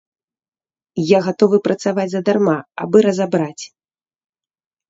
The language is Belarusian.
Я гатовы працаваць задарма, абы разабраць.